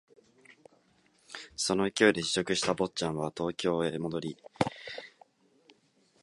その勢いで辞職した坊っちゃんは東京へ戻り、鉄道会社の技手となった。清を下女として雇い、彼女が死ぬまで一緒に暮らした。